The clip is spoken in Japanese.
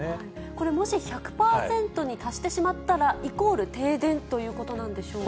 これ、もし１００％に達してしまったら、イコール停電ということなんでしょうか。